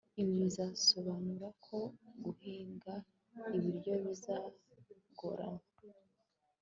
Ibi bizasobanura ko guhinga ibiryo bizagorana